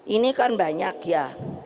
ini kan banyak ya